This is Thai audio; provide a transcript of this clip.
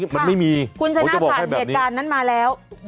มันไม่มีคุณจะบอกให้แบบนี้นะผมจะบอกแบบนี้ะ